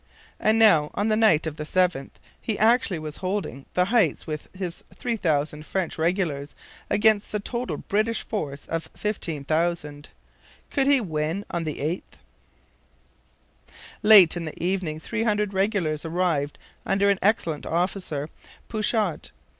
And now, on the night of the 7th, he actually was holding the heights with his 3,000 French regulars against the total British force of 15,000. Could he win on the 8th? Late in the evening 300 regulars arrived under an excellent officer, Pouchot.